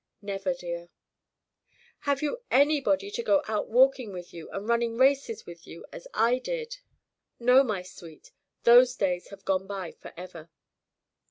"Never, dear!" "Have you anybody to go out walking with you and running races with you, as I did?" "No, my sweet! Those days have gone by forever."